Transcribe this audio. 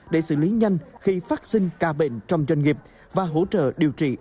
để xử lý nhanh khi phát sinh ca bệnh trong doanh nghiệp và hỗ trợ điều trị f tại nhà